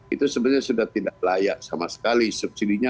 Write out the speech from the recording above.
itu sebenarnya sudah tidak layak sama sekali subsidi nya